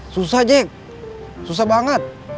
susah jack susah banget